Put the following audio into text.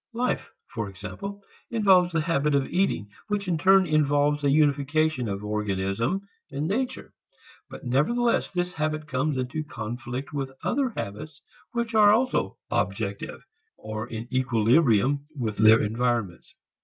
Life, for example, involves the habit of eating, which in turn involves a unification of organism and nature. But nevertheless this habit comes into conflict with other habits which are also "objective," or in equilibrium with their environments.